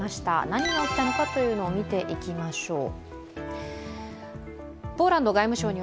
何が起きたのかというのを見ていきましょう。